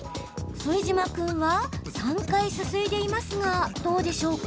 副島君は３回すすいでいますがどうでしょうか？